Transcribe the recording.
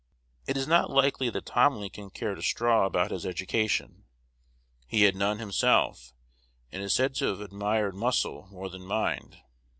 It is not likely that Tom Lincoln cared a straw about his education. He had none himself, and is said to have admired "muscle" more than mind.